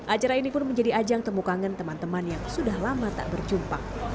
acara ini pun menjadi ajang temukangen teman teman yang sudah lama tak berjumpa